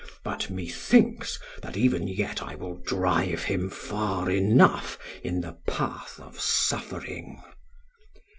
But me thinks, that even yet I will drive him far enough in the path of suffering.'